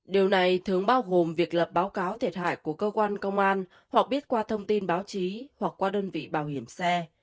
điều này thường bao gồm việc lập báo cáo thiệt hại của cơ quan công an hoặc biết qua thông tin báo chí hoặc qua đơn vị bảo hiểm xe